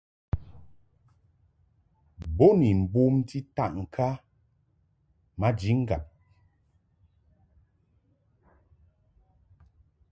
Bo ni mbumti taʼŋka maji ŋgab.